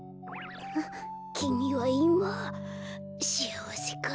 きみはいましあわせかい？